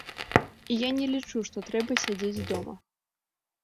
Я не лічу, што трэба сядзець дома.